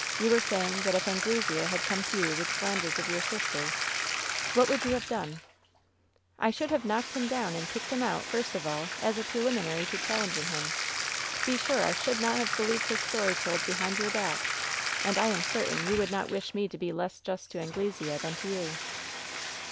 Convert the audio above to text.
You were say ing that if Anglesea had come to you with slanders of your sister What would you have done ?" "I should have knocked him down and kicked him out, first of all, as a preliminary to challenging him. Be sure I should not have believed his story told behind your back. And I am certain you would not wish me to be less just to Anglesea than to you."